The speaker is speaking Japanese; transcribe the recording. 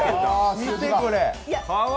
見て、これ！